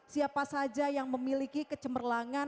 siapa saja yang memiliki kecemerlangan